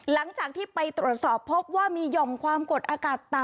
หลังจากที่ไปตรวจสอบพบว่ามีหย่อมความกดอากาศต่ำ